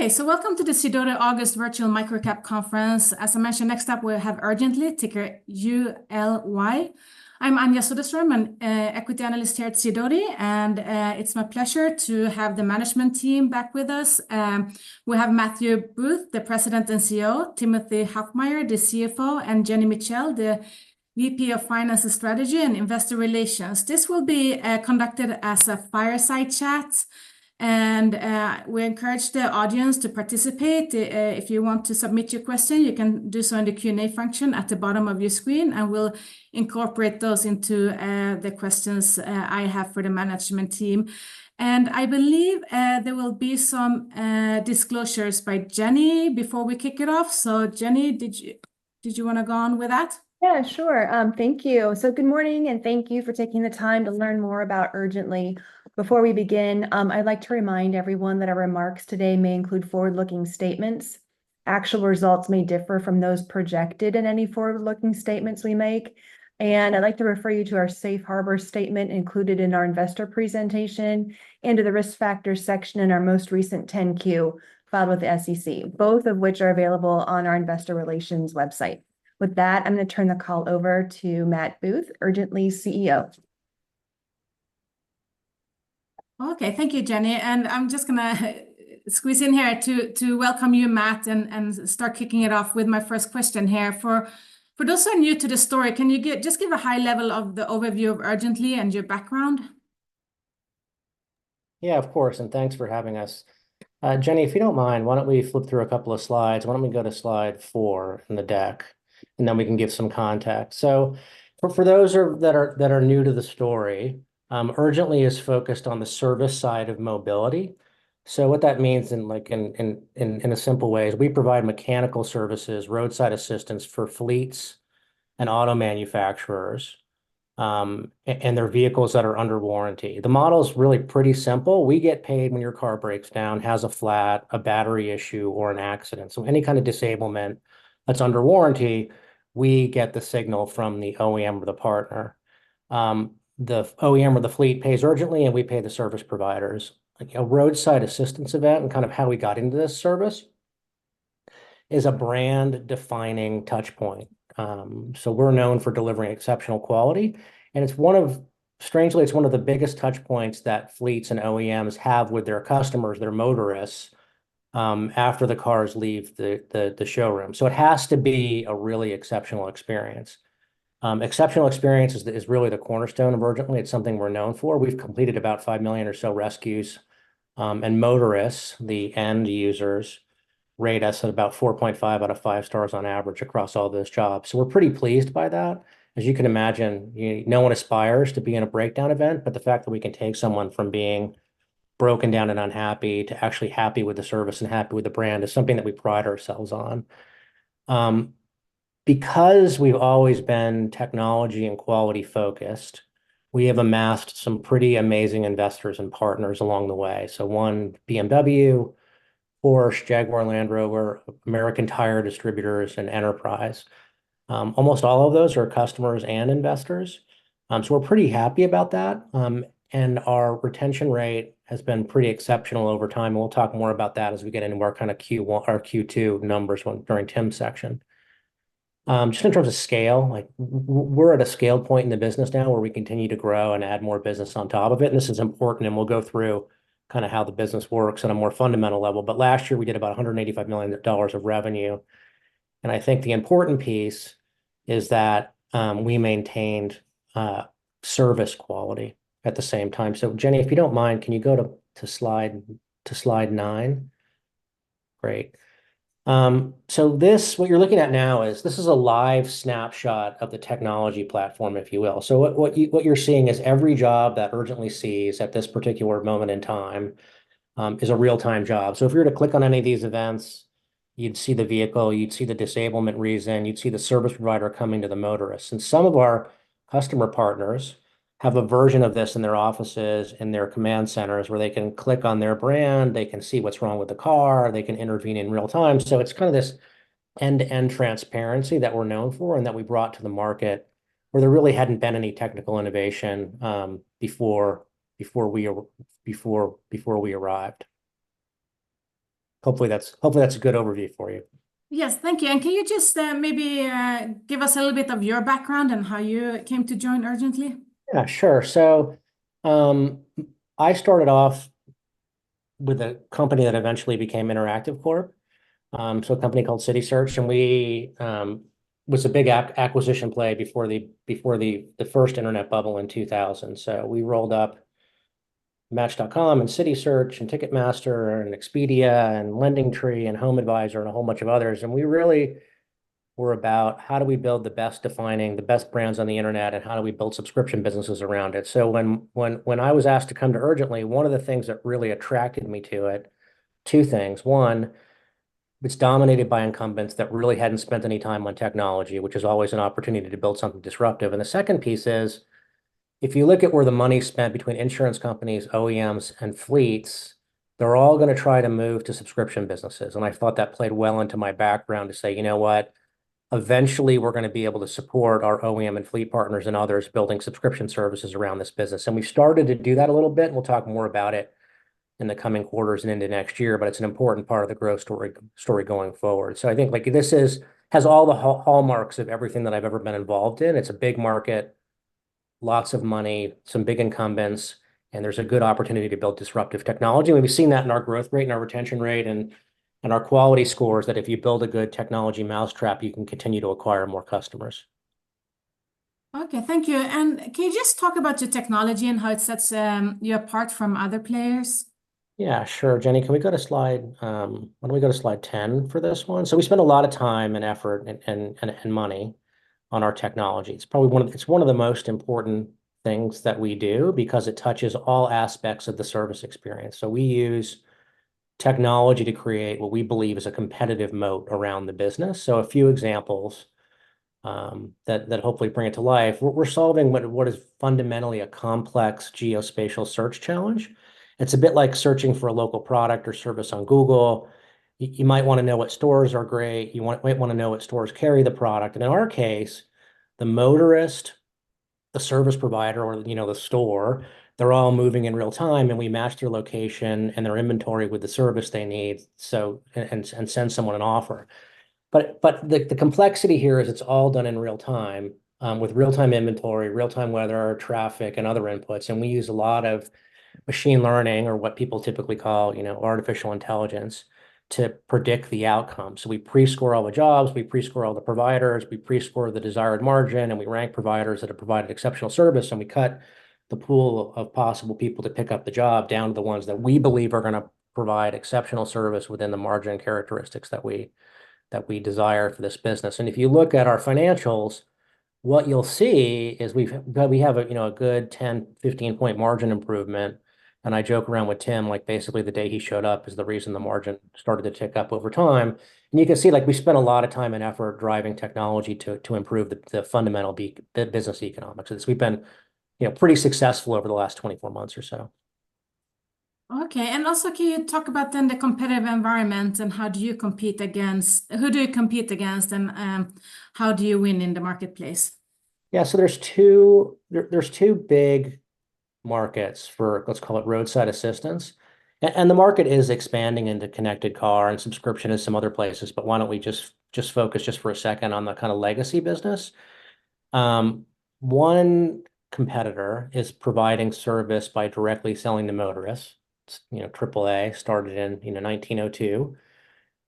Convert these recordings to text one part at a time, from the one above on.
Okay, so welcome to the Sidoti August Virtual MicroCap Conference. As I mentioned, next up we'll have Urgently, ticker ULY. I'm Anja Soderstrom, an equity analyst here at Sidoti, and it's my pleasure to have the management team back with us. We have Matthew Booth, the President and CEO, Tim Huffmyer, the CFO, and Jenny Mitchell, the VP of Finance and Strategy and Investor Relations. This will be conducted as a fireside chat, and we encourage the audience to participate. If you want to submit your question, you can do so in the Q&A function at the bottom of your screen, and we'll incorporate those into the questions I have for the management team. I believe there will be some disclosures by Jenny before we kick it off. So Jenny, did you wanna go on with that? Yeah, sure. Thank you. So good morning, and thank you for taking the time to learn more about Urgently. Before we begin, I'd like to remind everyone that our remarks today may include forward-looking statements. Actual results may differ from those projected in any forward-looking statements we make, and I'd like to refer you to our safe harbor statement included in our investor presentation, and to the risk factors section in our most recent 10-Q filed with the SEC, both of which are available on our investor relations website. With that, I'm gonna turn the call over to Matt Booth, Urgently's CEO. Okay, thank you, Jenny. And I'm just gonna squeeze in here to welcome you, Matt, and start kicking it off with my first question here. For those who are new to the story, can you just give a high-level overview of Urgently and your background? Yeah, of course, and thanks for having us. Jenny, if you don't mind, why don't we flip through a couple of slides? Why don't we go to slide 4 in the deck, and then we can give some context. So for those that are new to the story, Urgently is focused on the service side of mobility. So what that means in like, in a simple way is we provide mechanical services, roadside assistance for fleets and auto manufacturers, and their vehicles that are under warranty. The model's really pretty simple. We get paid when your car breaks down, has a flat, a battery issue, or an accident. So any kind of disablement that's under warranty, we get the signal from the OEM or the partner. The OEM or the fleet pays Urgently, and we pay the service providers. Like, a roadside assistance event and kind of how we got into this service is a brand-defining touch point. So we're known for delivering exceptional quality, and it's one of... strangely, it's one of the biggest touch points that fleets and OEMs have with their customers, their motorists, after the cars leave the showroom. So it has to be a really exceptional experience. Exceptional experience is really the cornerstone of Urgently. It's something we're known for. We've completed about 5 million or so rescues, and motorists, the end users, rate us at about 4.5 out of 5 stars on average across all those jobs. So we're pretty pleased by that. As you can imagine, no one aspires to be in a breakdown event, but the fact that we can take someone from being broken down and unhappy to actually happy with the service and happy with the brand is something that we pride ourselves on. Because we've always been technology and quality-focused, we have amassed some pretty amazing investors and partners along the way, so one, BMW, Porsche, Jaguar, Land Rover, American Tire Distributors, and Enterprise. Almost all of those are customers and investors, so we're pretty happy about that. And our retention rate has been pretty exceptional over time, and we'll talk more about that as we get into more kind of Q1 or Q2 numbers when, during Tim's section. Just in terms of scale, like we're at a scale point in the business now where we continue to grow and add more business on top of it, and this is important, and we'll go through kind of how the business works on a more fundamental level. But last year we did about $185 million of revenue, and I think the important piece is that we maintained service quality at the same time. So Jenny, if you don't mind, can you go to slide nine? Great. So this, what you're looking at now is, this is a live snapshot of the technology platform, if you will. So what you're seeing is every job that Urgently sees at this particular moment in time is a real-time job. So if you were to click on any of these events, you'd see the vehicle, you'd see the disablement reason, you'd see the service provider coming to the motorist. And some of our customer partners have a version of this in their offices, in their command centers, where they can click on their brand, they can see what's wrong with the car, they can intervene in real time. So it's kind of this end-to-end transparency that we're known for and that we brought to the market, where there really hadn't been any technical innovation before we arrived. Hopefully, that's a good overview for you. Yes, thank you. Can you just, maybe, give us a little bit of your background and how you came to join Urgently? Yeah, sure. So, I started off with a company that eventually became InterActiveCorp, so a company called Citysearch, and we was a big acquisition play before the first internet bubble in 2000. So we rolled up Match.com, and Citysearch, and Ticketmaster, and Expedia, and LendingTree, and HomeAdvisor, and a whole bunch of others. And we really were about how do we build the best, defining the best brands on the internet, and how do we build subscription businesses around it? So when I was asked to come to Urgently, one of the things that really attracted me to it, two things. One, it's dominated by incumbents that really hadn't spent any time on technology, which is always an opportunity to build something disruptive. The second piece is, if you look at where the money's spent between insurance companies, OEMs, and fleets, they're all gonna try to move to subscription businesses. I thought that played well into my background to say, "You know what?... eventually, we're gonna be able to support our OEM and fleet partners and others building subscription services around this business. We've started to do that a little bit, and we'll talk more about it in the coming quarters and into next year, but it's an important part of the growth story going forward. So I think, like, this has all the hallmarks of everything that I've ever been involved in. It's a big market, lots of money, some big incumbents, and there's a good opportunity to build disruptive technology. And we've seen that in our growth rate and our retention rate and our quality scores, that if you build a good technology mousetrap, you can continue to acquire more customers. Okay, thank you. And can you just talk about your technology and how it sets you apart from other players? Yeah, sure. Jenny, can we go to slide, why don't we go to slide 10 for this one? So we spend a lot of time and effort and, and, and money on our technology. It's probably one of- it's one of the most important things that we do because it touches all aspects of the service experience. So we use technology to create what we believe is a competitive moat around the business. So a few examples, that, that hopefully bring it to life. We're, we're solving what, what is fundamentally a complex geospatial search challenge. It's a bit like searching for a local product or service on Google. Y- you might wanna know what stores are great, you want- might wanna know what stores carry the product. In our case, the motorist, the service provider, or, you know, the store, they're all moving in real time, and we match their location and their inventory with the service they need, and send someone an offer. But the complexity here is it's all done in real time, with real-time inventory, real-time weather, traffic, and other inputs. And we use a lot of machine learning, or what people typically call, you know, artificial intelligence, to predict the outcome. So we pre-score all the jobs, we pre-score all the providers, we pre-score the desired margin, and we rank providers that have provided exceptional service, and we cut the pool of possible people to pick up the job down to the ones that we believe are gonna provide exceptional service within the margin characteristics that we desire for this business. If you look at our financials, what you'll see is that we have a, you know, a good 10-15-point margin improvement. I joke around with Tim, like, basically, the day he showed up is the reason the margin started to tick up over time. You can see, like, we spent a lot of time and effort driving technology to improve the fundamental business economics of this. We've been, you know, pretty successful over the last 24 months or so. Okay, and also, can you talk about then the competitive environment and how do you compete against. Who do you compete against, and, how do you win in the marketplace? Yeah, so there's two big markets for, let's call it roadside assistance. And the market is expanding into connected car and subscription and some other places, but why don't we just focus just for a second on the kind of legacy business? One competitor is providing service by directly selling to motorists. You know, AAA started in, you know, 1902.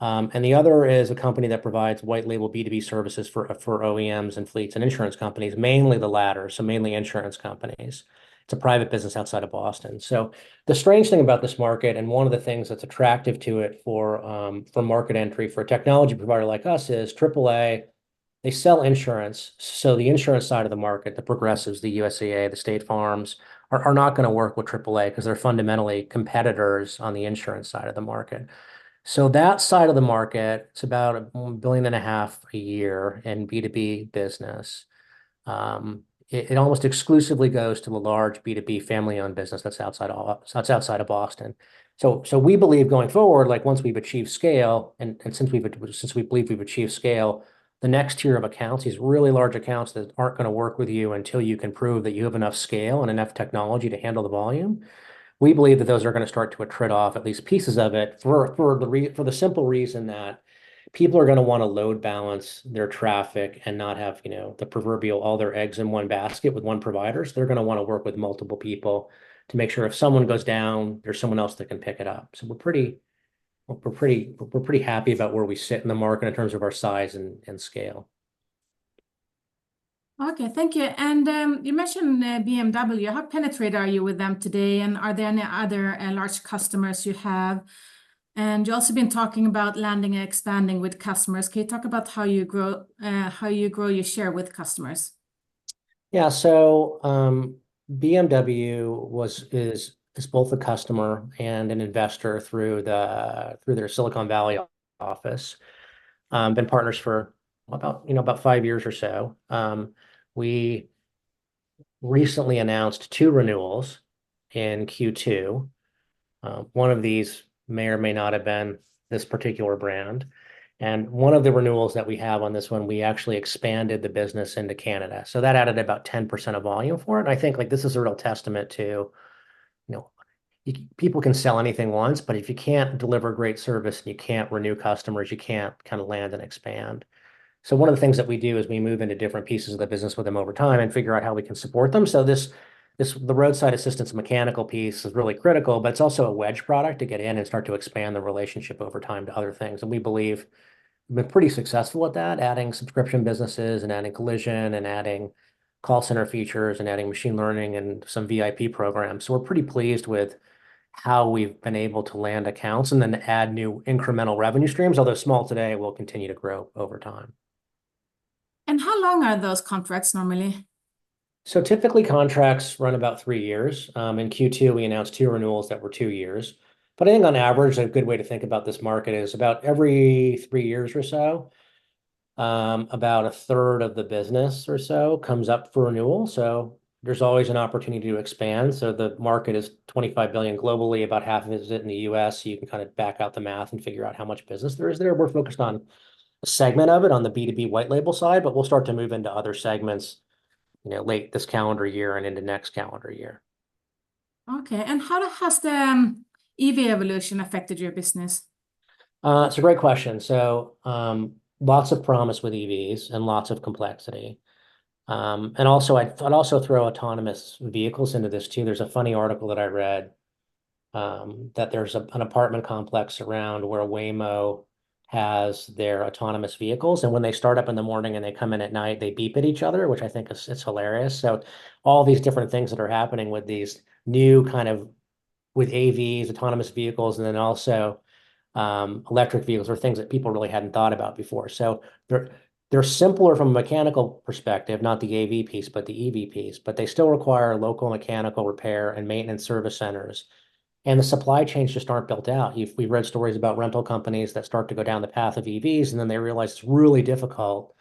And the other is a company that provides white label B2B services for OEMs and fleets and insurance companies, mainly the latter, so mainly insurance companies. It's a private business outside of Boston. So the strange thing about this market, and one of the things that's attractive to it for market entry for a technology provider like us, is AAA. They sell insurance, so the insurance side of the market, the Progressives, the USAA, the State Farms, are not gonna work with AAA 'cause they're fundamentally competitors on the insurance side of the market. So that side of the market, it's about $1.5 billion a year in B2B business. It almost exclusively goes to a large B2B family-owned business that's outside of Boston. So we believe going forward, like, once we've achieved scale, since we believe we've achieved scale, the next tier of accounts, these really large accounts that aren't gonna work with you until you can prove that you have enough scale and enough technology to handle the volume, we believe that those are gonna start to attrit off, at least pieces of it, for the simple reason that people are gonna wanna load balance their traffic and not have, you know, the proverbial all their eggs in one basket with one provider. So they're gonna wanna work with multiple people to make sure if someone goes down, there's someone else that can pick it up. So we're pretty happy about where we sit in the market in terms of our size and scale. Okay, thank you. You mentioned BMW. How penetrated are you with them today, and are there any other large customers you have? You've also been talking about landing and expanding with customers. Can you talk about how you grow your share with customers? Yeah, so, BMW was, is, is both a customer and an investor through the, through their Silicon Valley office. Been partners for about, you know, about five years or so. We recently announced two renewals in Q2. One of these may or may not have been this particular brand. And one of the renewals that we have on this one, we actually expanded the business into Canada. So that added about 10% of volume for it, and I think, like, this is a real testament to, you know, people can sell anything once, but if you can't deliver great service and you can't renew customers, you can't kind of land and expand. So one of the things that we do is we move into different pieces of the business with them over time and figure out how we can support them. So this, the roadside assistance mechanical piece is really critical, but it's also a wedge product to get in and start to expand the relationship over time to other things. We believe we've been pretty successful at that, adding subscription businesses, and adding collision, and adding call center features, and adding machine learning, and some VIP programs. We're pretty pleased with how we've been able to land accounts and then add new incremental revenue streams. Although small today, we'll continue to grow over time. How long are those contracts normally? So typically, contracts run about three years. In Q2, we announced two renewals that were two years. But I think on average, a good way to think about this market is about every three years or so, about a third of the business or so comes up for renewal, so there's always an opportunity to expand. So the market is $25 billion globally, about half of it is in the US. You can kind of back out the math and figure out how much business there is there. We're focused on a segment of it, on the B2B white label side, but we'll start to move into other segments—you know, late this calendar year and into next calendar year. Okay, and how has the EV evolution affected your business? It's a great question. So, lots of promise with EVs and lots of complexity. And also I'd also throw autonomous vehicles into this, too. There's a funny article that I read, that there's an apartment complex around where Waymo has their autonomous vehicles, and when they start up in the morning and they come in at night, they beep at each other, which I think it's hilarious. So all these different things that are happening with these new kind of... with AVs, autonomous vehicles, and then also, electric vehicles, are things that people really hadn't thought about before. So they're simpler from a mechanical perspective, not the AV piece, but the EV piece, but they still require local mechanical repair and maintenance service centers, and the supply chains just aren't built out. We've read stories about rental companies that start to go down the path of EVs, and then they realize it's really difficult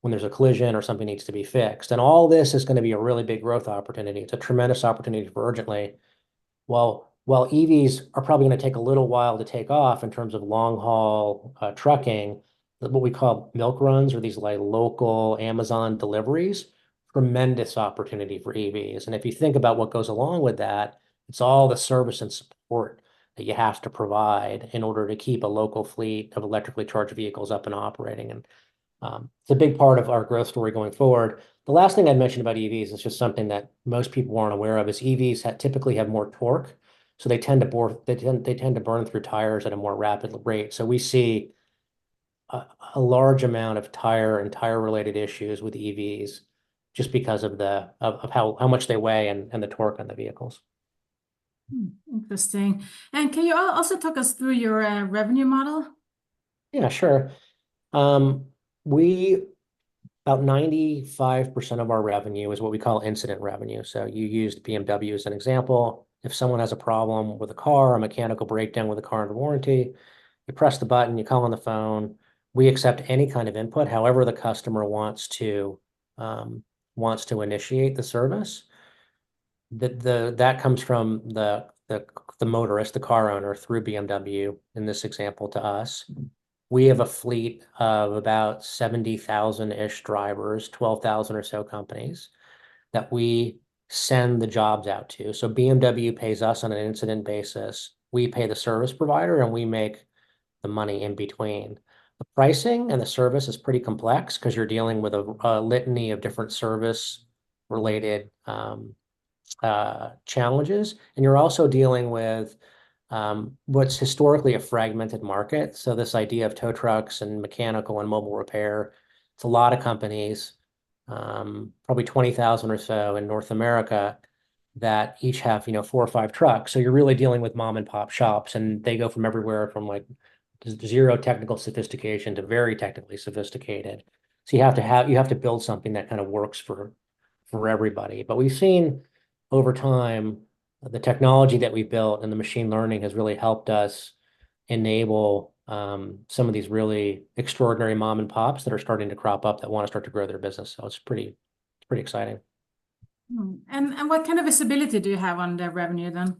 when there's a collision or something needs to be fixed. And all this is gonna be a really big growth opportunity. It's a tremendous opportunity for Urgently. While EVs are probably gonna take a little while to take off in terms of long-haul trucking, what we call milk runs, or these, like, local Amazon deliveries, tremendous opportunity for EVs. And if you think about what goes along with that, it's all the service and support that you have to provide in order to keep a local fleet of electrically charged vehicles up and operating, and it's a big part of our growth story going forward. The last thing I'd mention about EVs, it's just something that most people aren't aware of, is EVs typically have more torque, so they tend to burn through tires at a more rapid rate. So we see a large amount of tire and tire-related issues with EVs just because of how much they weigh and the torque on the vehicles. Hmm, interesting. And can you also talk us through your revenue model? Yeah, sure. About 95% of our revenue is what we call incident revenue. So you used BMW as an example. If someone has a problem with a car or a mechanical breakdown with a car under warranty, you press the button, you call on the phone. We accept any kind of input, however the customer wants to initiate the service. That comes from the motorist, the car owner, through BMW, in this example, to us. We have a fleet of about 70,000-ish drivers, 12,000 or so companies, that we send the jobs out to. So BMW pays us on an incident basis, we pay the service provider, and we make the money in between. The pricing and the service is pretty complex, 'cause you're dealing with a litany of different service-related challenges, and you're also dealing with what's historically a fragmented market. So this idea of tow trucks and mechanical and mobile repair, it's a lot of companies, probably 20,000 or so in North America, that each have, you know, four or five trucks. So you're really dealing with mom-and-pop shops, and they go from everywhere from, like, zero technical sophistication to very technically sophisticated. So you have to build something that kind of works for everybody. But we've seen, over time, the technology that we've built and the machine learning has really helped us enable some of these really extraordinary mom-and-pops that are starting to crop up that wanna start to grow their business, so it's pretty, it's pretty exciting. What kind of visibility do you have on the revenue, then?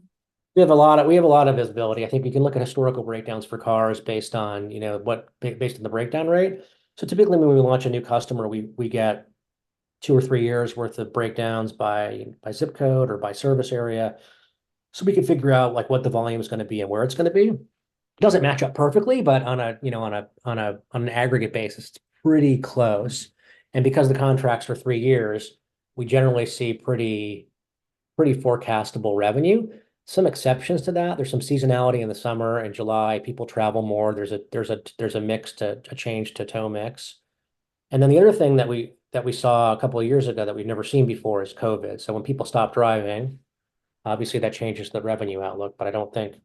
We have a lot of visibility. I think we can look at historical breakdowns for cars based on, you know, based on the breakdown rate. So typically, when we launch a new customer, we get 2 or 3 years' worth of breakdowns by zip code or by service area, so we can figure out, like, what the volume is gonna be and where it's gonna be. It doesn't match up perfectly, but on a, you know, on an aggregate basis, it's pretty close. And because the contract's for 3 years, we generally see pretty forecastable revenue. Some exceptions to that, there's some seasonality in the summer. In July, people travel more. There's a mix to... a change to tow mix. And then the other thing that we, that we saw a couple of years ago that we've never seen before is COVID. So when people stop driving, obviously, that changes the revenue outlook, but I don't think,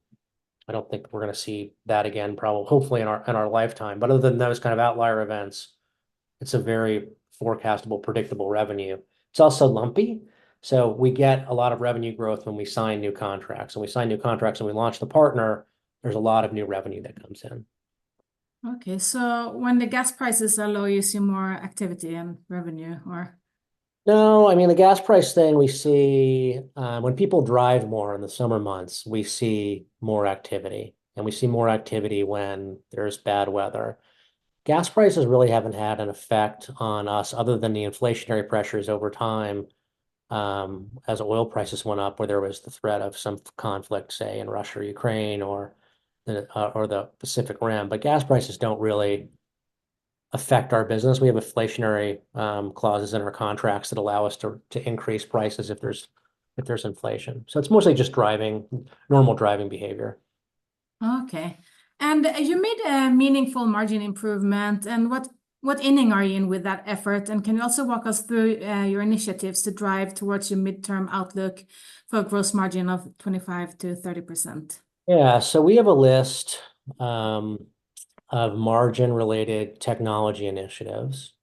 I don't think we're gonna see that again, probably hopefully in our, in our lifetime. But other than those kind of outlier events, it's a very forecastable, predictable revenue. It's also lumpy, so we get a lot of revenue growth when we sign new contracts. When we sign new contracts and we launch the partner, there's a lot of new revenue that comes in. Okay, so when the gas prices are low, you see more activity and revenue, or? No, I mean, the gas price thing, we see, when people drive more in the summer months, we see more activity, and we see more activity when there's bad weather. Gas prices really haven't had an effect on us other than the inflationary pressures over time, as oil prices went up, or there was the threat of some conflict, say, in Russia or Ukraine, or the, or the Pacific Rim. But gas prices don't really affect our business. We have inflationary, clauses in our contracts that allow us to, to increase prices if there's, if there's inflation. So it's mostly just driving, normal driving behavior. Okay. And you made a meaningful margin improvement, and what, what inning are you in with that effort? And can you also walk us through your initiatives to drive towards your midterm outlook for a gross margin of 25%-30%? Yeah, so we have a list of margin-related technology initiatives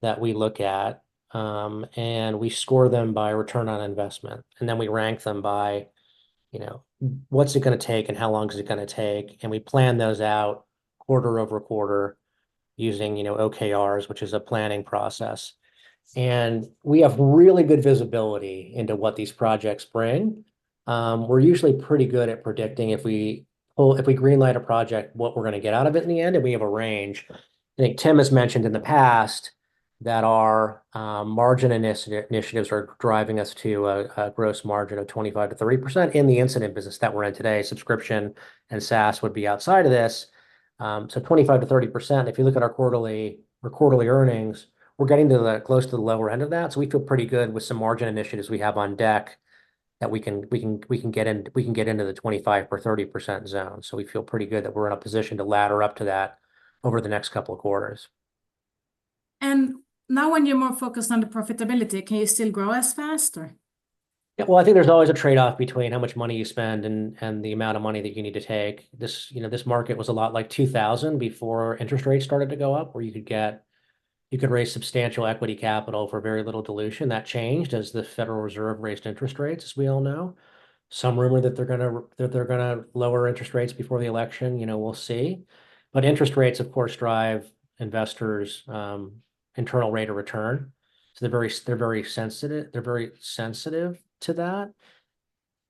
that we look at, and we score them by return on investment, and then we rank them by, you know, what's it gonna take and how long is it gonna take? And we plan those out quarter-over-quarter using, you know, OKRs, which is a planning process. And we have really good visibility into what these projects bring. We're usually pretty good at predicting if we, well, if we green-light a project, what we're gonna get out of it in the end, and we have a range. I think Tim has mentioned in the past that our margin initiatives are driving us to a gross margin of 25%-30% in the incident business that we're in today. Subscription and SaaS would be outside of this. So 25%-30%, if you look at our quarterly earnings, we're getting close to the lower end of that, so we feel pretty good with some margin initiatives we have on deck that we can get into the 25% or 30% zone. So we feel pretty good that we're in a position to ladder up to that over the next couple of quarters. Now when you're more focused on the profitability, can you still grow as fast, or? Yeah, well, I think there's always a trade-off between how much money you spend and the amount of money that you need to take. This, you know, this market was a lot like 2000 before interest rates started to go up, where you could get. You could raise substantial equity capital for very little dilution. That changed as the Federal Reserve raised interest rates, as we all know. Some rumor that they're gonna lower interest rates before the election, you know, we'll see. But interest rates, of course, drive investors' internal rate of return, so they're very sensitive to that.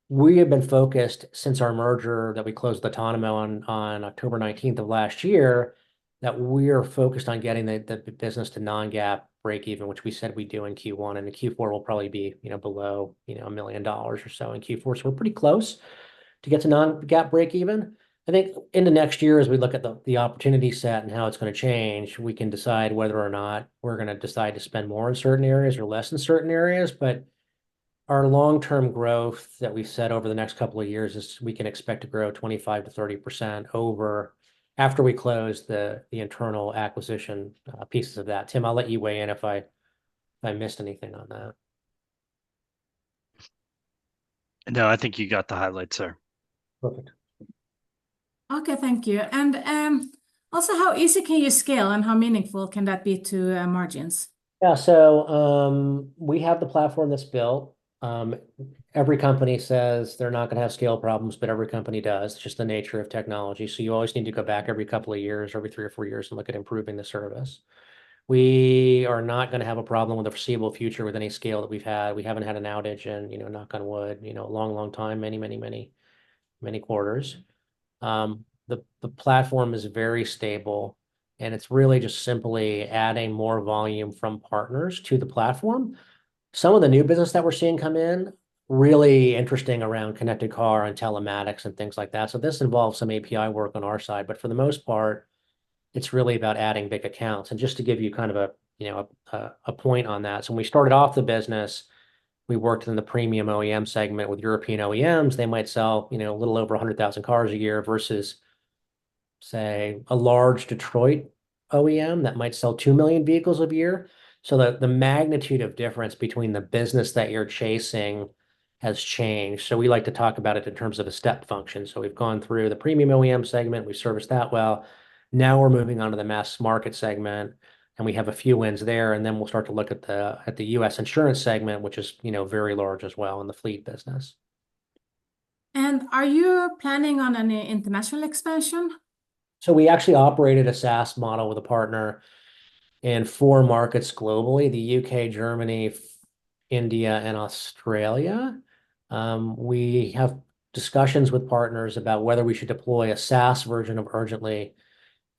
We have been focused since our merger, that we closed Otonomo on October 19th of last year, that we're focused on getting the business to non-GAAP breakeven, which we said we'd do in Q1. The Q4 will probably be, you know, below $1 million or so in Q4, so we're pretty close to get to non-GAAP breakeven. I think in the next year, as we look at the opportunity set and how it's gonna change, we can decide whether or not we're gonna decide to spend more in certain areas or less in certain areas. But our long-term growth that we've set over the next couple of years is we can expect to grow 25%-30% after we close the internal acquisition pieces of that. Tim, I'll let you weigh in if I missed anything on that. No, I think you got the highlights, sir. Perfect. Okay, thank you. Also, how easy can you scale, and how meaningful can that be to margins? Yeah, so, we have the platform that's built. Every company says they're not gonna have scale problems, but every company does. It's just the nature of technology, so you always need to go back every couple of years or every three or four years and look at improving the service. We are not gonna have a problem in the foreseeable future with any scale that we've had. We haven't had an outage in, you know, knock on wood, you know, a long, long time. Many, many, many, many quarters. The platform is very stable, and it's really just simply adding more volume from partners to the platform. Some of the new business that we're seeing come in, really interesting around connected car and telematics and things like that. So this involves some API work on our side, but for the most part, it's really about adding big accounts. And just to give you kind of a, you know, point on that, so when we started off the business, we worked in the premium OEM segment with European OEMs. They might sell, you know, a little over 100,000 cars a year versus, say, a large Detroit OEM that might sell 2 million vehicles a year. So the magnitude of difference between the business that you're chasing has changed. So we like to talk about it in terms of a step function. So we've gone through the premium OEM segment. We've serviced that well. Now we're moving on to the mass market segment, and we have a few wins there, and then we'll start to look at the U.S. insurance segment, which is, you know, very large as well in the fleet business. Are you planning on any international expansion? So we actually operated a SaaS model with a partner in four markets globally: the UK, Germany, India, and Australia. We have discussions with partners about whether we should deploy a SaaS version of Urgently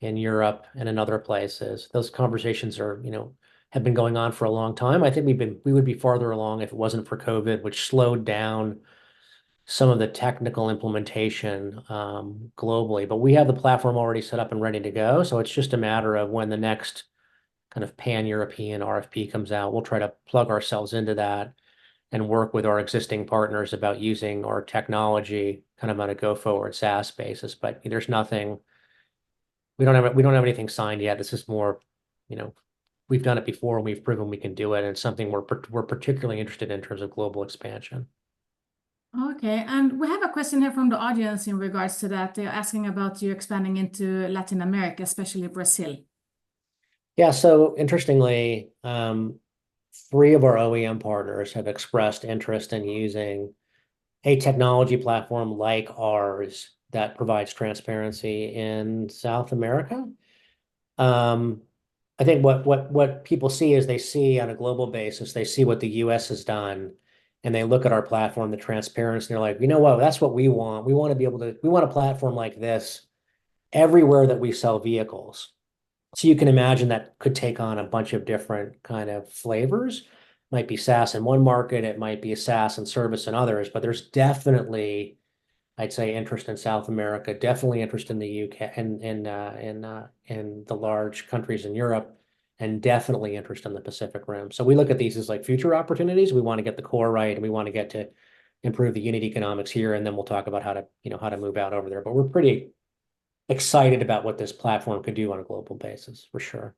in Europe and in other places. Those conversations are, you know, have been going on for a long time. I think we would be farther along if it wasn't for COVID, which slowed down some of the technical implementation globally. But we have the platform already set up and ready to go, so it's just a matter of when the next kind of pan-European RFP comes out. We'll try to plug ourselves into that and work with our existing partners about using our technology kind of on a go-forward SaaS basis. But there's nothing... We don't have we don't have anything signed yet. This is more, you know, we've done it before, and we've proven we can do it, and it's something we're particularly interested in in terms of global expansion. Okay, and we have a question here from the audience in regards to that. They're asking about you expanding into Latin America, especially Brazil. Yeah, so interestingly, three of our OEM partners have expressed interest in using a technology platform like ours that provides transparency in South America. I think what people see is they see, on a global basis, they see what the U.S. has done, and they look at our platform, the transparency, and they're like, "You know what? That's what we want. We wanna be able to- We want a platform like this everywhere that we sell vehicles." So you can imagine that could take on a bunch of different kind of flavors. Might be SaaS in one market, it might be a SaaS and service in others, but there's definitely, I'd say, interest in South America, definitely interest in the U.K., and the large countries in Europe, and definitely interest in the Pacific Rim. So we look at these as, like, future opportunities. We wanna get the core right, and we wanna get to improve the unit economics here, and then we'll talk about how to, you know, how to move out over there. But we're pretty excited about what this platform could do on a global basis, for sure.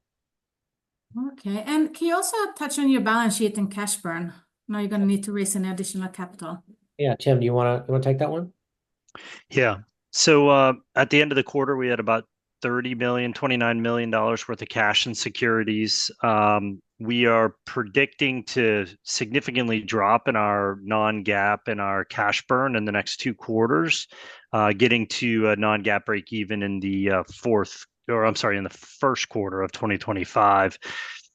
Okay, and can you also touch on your balance sheet and cash burn? Now you're gonna need to raise some additional capital. Yeah, Tim, do you wanna take that one? Yeah. So, at the end of the quarter, we had about $30 million, $29 million worth of cash and securities. We are predicting to significantly drop in our non-GAAP and our cash burn in the next two quarters, getting to a non-GAAP breakeven in the first quarter of 2025.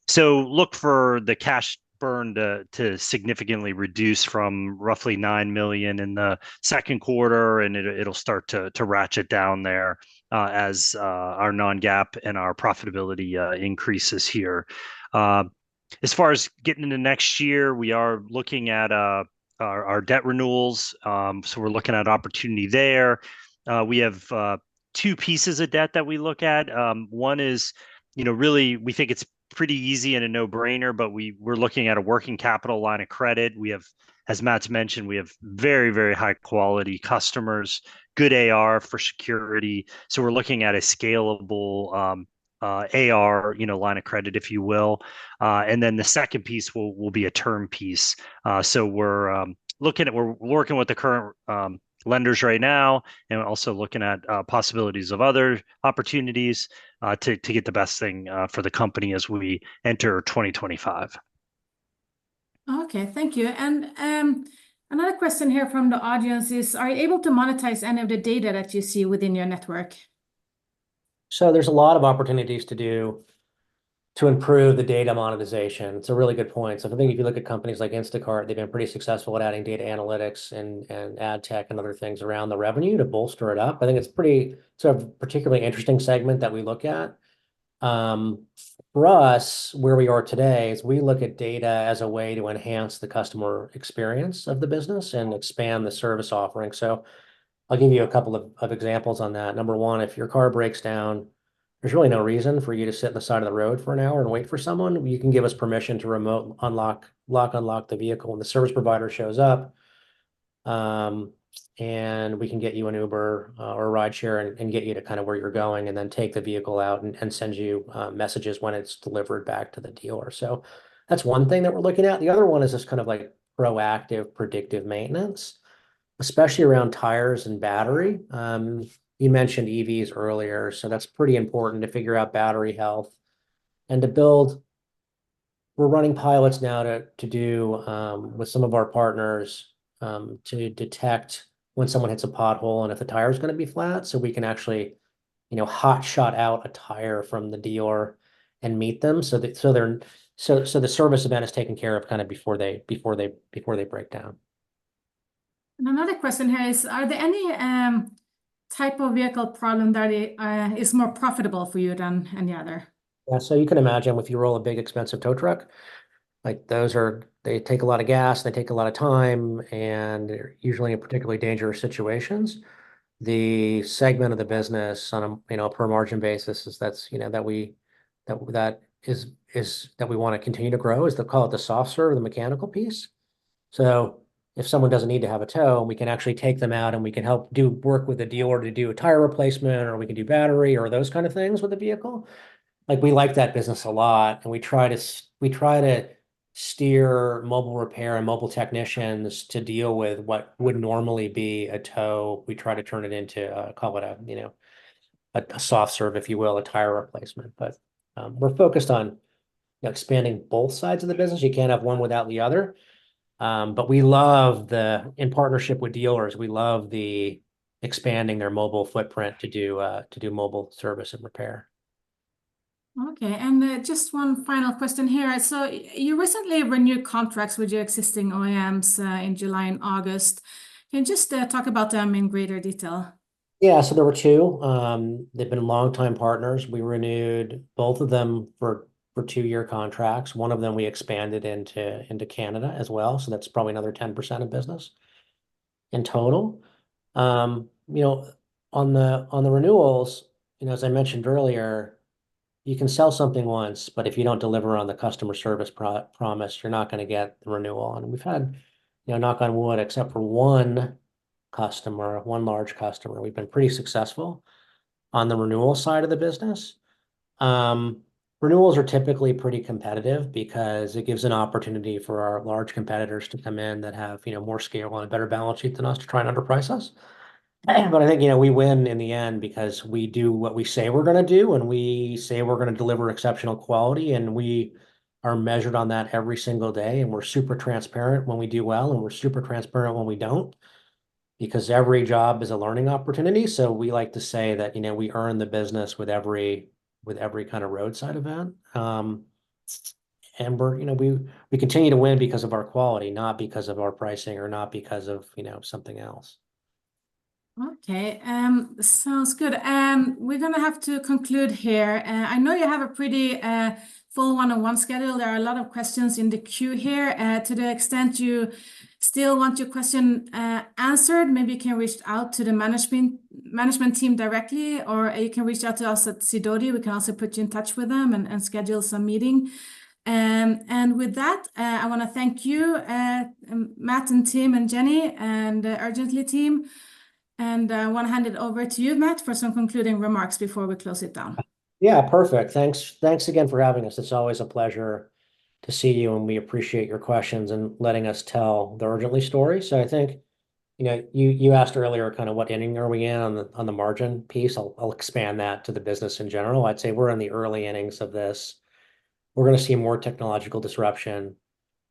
So look for the cash burn to significantly reduce from roughly $9 million in the second quarter, and it'll start to ratchet down there, as our non-GAAP and our profitability increases here. As far as getting into next year, we are looking at our debt renewals. So we're looking at opportunity there. We have two pieces of debt that we look at. One is, you know, really we think it's pretty easy and a no-brainer, but we're looking at a working capital line of credit. We have, as Matt's mentioned, we have very, very high-quality customers, good AR for security, so we're looking at a scalable, AR, you know, line of credit, if you will. And then the second piece will be a term piece. So we're working with the current lenders right now, and we're also looking at possibilities of other opportunities to get the best thing for the company as we enter 2025. Okay, thank you. Another question here from the audience is, are you able to monetize any of the data that you see within your network? So there's a lot of opportunities to do to improve the data monetization. It's a really good point. So I think if you look at companies like Instacart, they've been pretty successful at adding data analytics and ad tech and other things around the revenue to bolster it up. I think it's pretty... So a particularly interesting segment that we look at. For us, where we are today, is we look at data as a way to enhance the customer experience of the business and expand the service offering. So I'll give you a couple of examples on that. Number one, if your car breaks down, there's really no reason for you to sit on the side of the road for an hour and wait for someone. You can give us permission to remote unlock the vehicle, and the service provider shows up, and we can get you an Uber, or a rideshare and get you to kinda where you're going, and then take the vehicle out and send you messages when it's delivered back to the dealer. So that's one thing that we're looking at. The other one is this kind of like proactive, predictive maintenance, especially around tires and battery. You mentioned EVs earlier, so that's pretty important to figure out battery health and to build. We're running pilots now to do with some of our partners to detect when someone hits a pothole and if the tire is gonna be flat, so we can actually, you know, hot shot out a tire from the dealer and meet them. The service event is taken care of kinda before they break down. Another question here is, are there any type of vehicle problem that is more profitable for you than any other? Yeah, so you can imagine if you roll a big, expensive tow truck, like those are, they take a lot of gas, they take a lot of time, and they're usually in particularly dangerous situations. The segment of the business on a, you know, per margin basis is, you know, that we wanna continue to grow, is they call it the soft serve or the mechanical piece. So if someone doesn't need to have a tow, we can actually take them out, and we can help do work with the dealer to do a tire replacement, or we can do battery or those kind of things with the vehicle. Like, we like that business a lot, and we try to steer mobile repair and mobile technicians to deal with what would normally be a tow. We try to turn it into, call it a, you know, a soft serve, if you will, a tire replacement. But, we're focused on expanding both sides of the business. You can't have one without the other. But we love the, in partnership with dealers, we love the expanding their mobile footprint to do mobile service and repair. Okay, just one final question here. You recently renewed contracts with your existing OEMs in July and August. Can you just talk about them in greater detail? Yeah, so there were two. They've been longtime partners. We renewed both of them for two-year contracts. One of them we expanded into Canada as well, so that's probably another 10% of business in total. You know, on the renewals, you know, as I mentioned earlier, you can sell something once, but if you don't deliver on the customer service promise, you're not gonna get the renewal. And we've had, you know, knock on wood, except for one customer, one large customer, we've been pretty successful on the renewal side of the business. Renewals are typically pretty competitive because it gives an opportunity for our large competitors to come in that have, you know, more scale and a better balance sheet than us to try and underprice us. But I think, you know, we win in the end because we do what we say we're gonna do, and we say we're gonna deliver exceptional quality, and we are measured on that every single day, and we're super transparent when we do well, and we're super transparent when we don't, because every job is a learning opportunity. So we like to say that, you know, we earn the business with every kinda roadside event. And we're, you know, we continue to win because of our quality, not because of our pricing or not because of, you know, something else. Okay, sounds good. We're gonna have to conclude here. I know you have a pretty full one-on-one schedule. There are a lot of questions in the queue here. To the extent you still want your question answered, maybe you can reach out to the management team directly, or you can reach out to us at Sidoti. We can also put you in touch with them and schedule some meeting. And with that, I wanna thank you, Matt and Tim and Jenny, and the Urgently team. I wanna hand it over to you, Matt, for some concluding remarks before we close it down. Yeah, perfect. Thanks, thanks again for having us. It's always a pleasure to see you, and we appreciate your questions and letting us tell the Urgently story. So I think, you know, you asked earlier kind of what inning are we in on the, on the margin piece. I'll expand that to the business in general. I'd say we're in the early innings of this. We're gonna see more technological disruption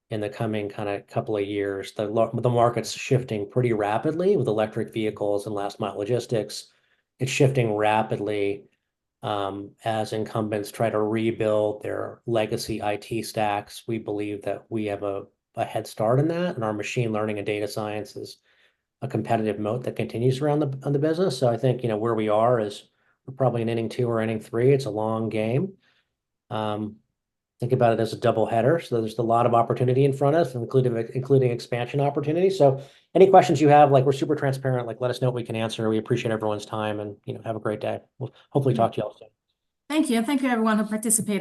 in the coming kinda couple of years. The market's shifting pretty rapidly with electric vehicles and last mile logistics. It's shifting rapidly, as incumbents try to rebuild their legacy IT stacks. We believe that we have a head start in that, and our machine learning and data science is a competitive moat that continues on the business. So I think, you know, where we are is we're probably in inning two or inning three. It's a long game. Think about it as a double header. So there's a lot of opportunity in front of us, including expansion opportunities. So any questions you have, like, we're super transparent, like, let us know, we can answer. We appreciate everyone's time and, you know, have a great day. We'll hopefully talk to you all soon. Thank you, and thank you everyone who participated.